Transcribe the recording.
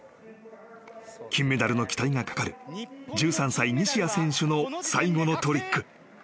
［金メダルの期待がかかる１３歳西矢選手の最後のトリック］